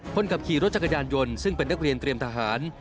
คนขับขี่รถจักรยานยนต์ซึ่งเป็นนักเรียนเตรียมทหาร